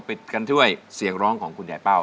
ปิดกันด้วยเสียงร้องของคุณยายเป้า